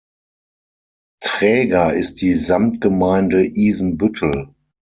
Träger ist die Samtgemeinde Isenbüttel.